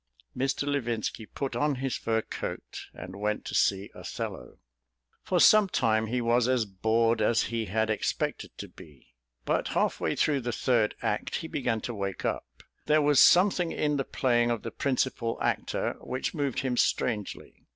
Mr. Levinski put on his fur coat and went to see "Othello." For some time he was as bored as he had expected to be, but halfway through the Third Act he began to wake up. There was something in the playing of the principal actor which moved him strangely.